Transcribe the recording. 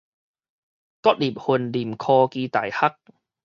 國立雲林科技大學